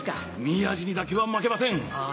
宮治にだけは負けません。